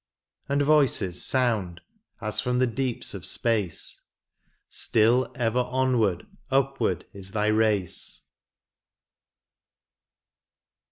And voices sound, as from the deeps of space, " Still ever onward, upward, is thy race."